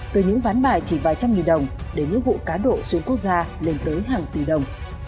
từ những ván bài chỉ vài trăm nghìn đồng đến những vụ cá độ xuyên quốc gia lên tới hàng tỷ đồng